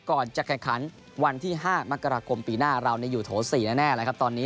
ก่อนจะแข่งขันวันที่๕มกราคมปีหน้าเราอยู่โถ๔แน่แล้วครับตอนนี้